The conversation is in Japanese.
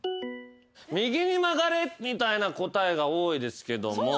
右に曲がれみたいな答えが多いですけども。